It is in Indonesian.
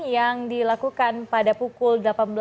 yang dilakukan pada pukul delapan belas